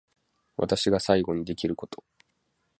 私が最後にできること